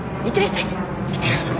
いってらっしゃい。